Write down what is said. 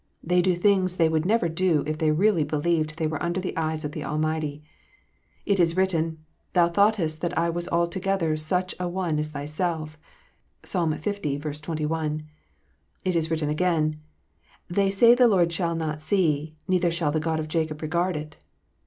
They do things they would never do if they really believed they were under the eyes of the Almighty. It is written, " Thou thoughtest that I was altogether such an one as thyself." (Psalm 1. 21.) It is written again, "They say the Lord shall not see, neither shall the God of Jacob regard it.